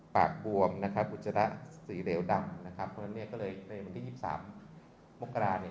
ปากบวมนะครับอุจจาระสีเหลวดำนะครับเพราะฉะนั้นเนี่ยก็เลยในวันที่๒๓มกราเนี่ย